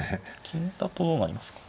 金だとどうなりますか。